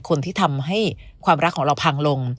คนที่ทำให้ความรักของเราพังลง